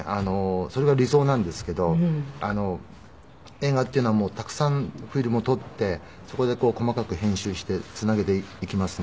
それが理想なんですけど映画っていうのはたくさんフィルムを撮ってそこで細かく編集してつなげていきますね。